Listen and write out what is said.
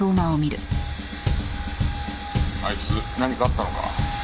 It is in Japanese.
あいつ何かあったのか？